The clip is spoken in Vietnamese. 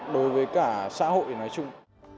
đối với cả xã hội nói chung